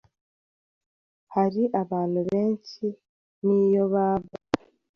Hari abantu benshi n’iyo baba